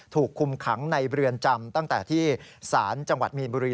ถูกคุมขังในเรือนจำตั้งแต่ที่ศาลจังหวัดมีนบุรี